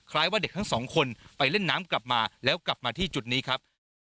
ว่าเด็กทั้งสองคนไปเล่นน้ำกลับมาแล้วกลับมาที่จุดนี้ครับ